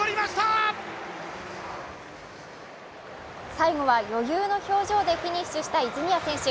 最後は余裕の表情でフィニッシュした泉谷選手。